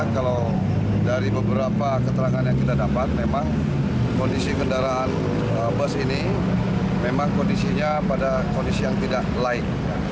kalau dari beberapa keterangan yang kita dapat memang kondisi kendaraan bus ini memang kondisinya pada kondisi yang tidak laik